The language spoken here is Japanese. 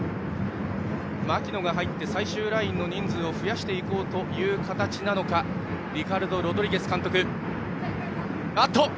槙野が入って最終ラインの人数を増やすということかリカルド・ロドリゲス監督。